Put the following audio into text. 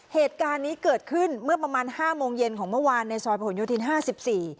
เหตุการณ์นี้เกิดขึ้นเมื่อประมาณห้าโมงเย็นของเมื่อวานในซอยผลโยธินห้าสิบสี่